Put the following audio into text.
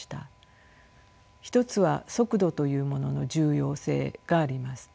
一つは速度というものの重要性があります。